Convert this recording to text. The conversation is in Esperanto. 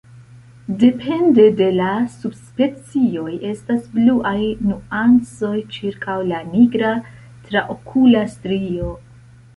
Depende de la subspecioj estas bluaj nuancoj ĉirkaŭ la nigra traokula strio.